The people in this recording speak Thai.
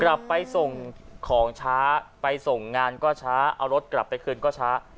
กลับไปส่งของช้าไปส่งงานก็ช้าเอารถกลับไปคืนก็ช้า